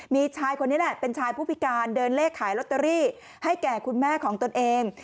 มีชายคนนี้แหละเป็นชายผู้พิการเดินเลขขายลอตเตอรี่ให้แก่คุณแม่ของตนเอง